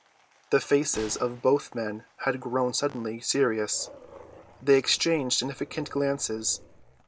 The faces of both men had grown suddenly serious. They exchanged significant glances.